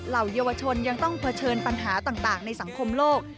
เยาวชนยังต้องเผชิญปัญหาต่างในสังคมโลก